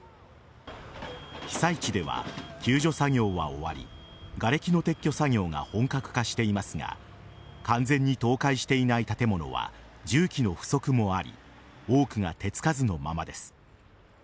被災地では救助作業は終わりがれきの撤去作業が本格化していますが完全に倒壊していない建物は重機の不足もあり多くが手付かずのままです。